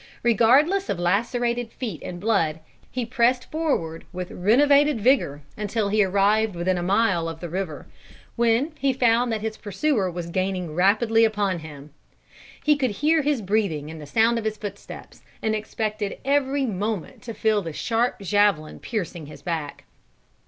Regardless of lacerated feet and blood, he pressed forward with renovated vigor until he arrived within about a mile of the river, when he found that his pursuer was gaining rapidly upon him. He could hear his breathing and the sound of his footsteps, and expected every moment to feel the sharp javelin piercing his back.